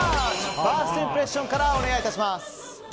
ファーストインプレッションからお願いいたします。